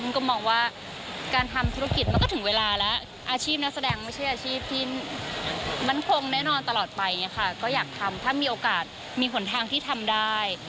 ก็มองว่าการทำธุรกิจมันก็ถึงเวลาแล้วอาชีพนักแสดงไม่ใช่อาชีพที่มั่นคงแน่นอนตลอดไปอย่างนี้ค่ะก็อยากทำถ้ามีโอกาสมีหนทางที่ทำได้